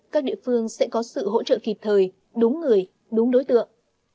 các địa phương sẽ có sự hỗ trợ kịp thời đúng người đúng đối tượng